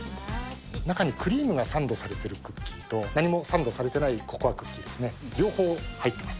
中にクリームがサンドされてるクッキーと、何もサンドされてないココアクッキーですね、両方入ってます。